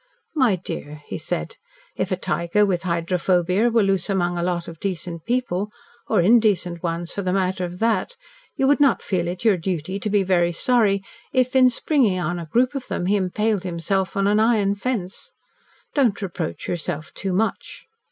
"My dear," he said, "if a tiger with hydrophobia were loose among a lot of decent people or indecent ones, for the matter of that you would not feel it your duty to be very sorry if, in springing on a group of them, he impaled himself on an iron fence. Don't reproach yourself too much."